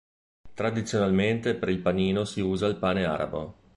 Tradizionalmente per il panino si usa il pane arabo.